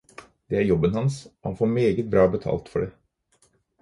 Det er jobben hans, og han får meget bra betalt for det.